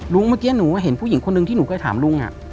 เมื่อกี้หนูเห็นผู้หญิงคนนึงที่หนูเคยถามลุง